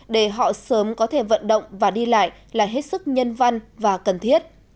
để họ sớm có thể vận động và đi lại là hết sức nhân văn và cần thiết